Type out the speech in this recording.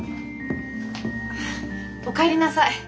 お帰りなさい。